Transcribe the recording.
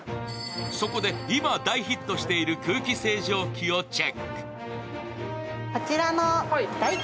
そこで今、大ヒットしている空気清浄機をチェック。